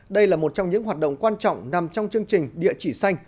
đây là một trong những hoạt động quan trọng nằm trong chương trình địa chỉ xanh